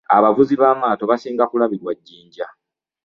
Abavuzi b'amaato basinga kulabirwa Jinja.